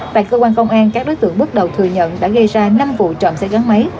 tại cơ quan công an các đối tượng bước đầu thừa nhận đã gây ra năm vụ trộm xe gắn máy